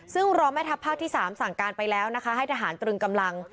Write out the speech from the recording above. ซึ่งรอแม่ทัพภาคที่๓สั่งการไปแล้วนะคะให้ทหารตรึงกำลัง